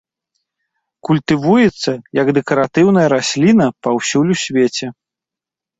Культывуецца як дэкаратыўная расліна паўсюль у свеце.